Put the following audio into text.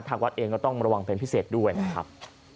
ทางวัดเองก็ต้องระวังเป็นพิเศษด้วยนะครับ